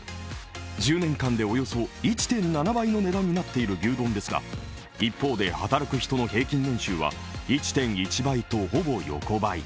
１０年間でおよそ１．７倍になっている牛丼ですが一方で働く人の平均年収は１．１倍とほぼ横ばい。